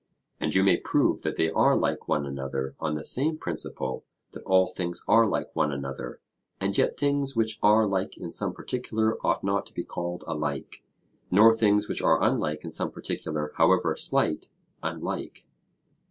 And you may prove that they are like one another on the same principle that all things are like one another; and yet things which are like in some particular ought not to be called alike, nor things which are unlike in some particular, however slight, unlike.